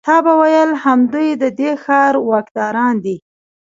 تا به ویل همدوی د دې ښار واکداران دي.